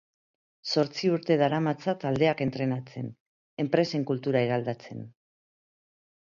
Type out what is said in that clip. Zortzi urte daramatza taldeak entrenatzen, enpresen kultura eraldatzen.